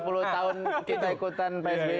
kayak waktu sepuluh tahun kita ikutan psb